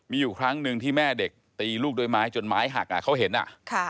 มีอยู่ครั้งหนึ่งที่แม่เด็กตีลูกด้วยไม้จนไม้หักอ่ะเขาเห็นอ่ะค่ะ